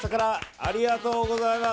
ありがとうございます。